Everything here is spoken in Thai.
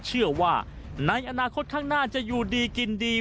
เชื่อว่าในอนาคตข้างหน้าจะอยู่ดีกินดี